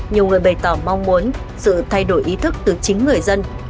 nhiều người bày tỏ mong muốn sự thay đổi ý thức từ chính người dân